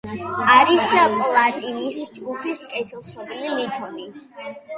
არის პლატინის ჯგუფის კეთილშობილი ლითონი.